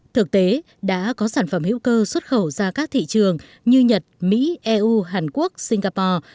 thực tế đã có sản phẩm hữu cơ xuất khẩu ra các thị trường như nhật mỹ eu hàn quốc singapore